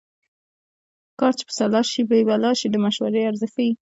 کار چې په سلا شي بې بلا شي د مشورې ارزښت ښيي